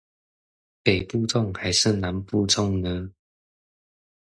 北部粽還是中部粽呢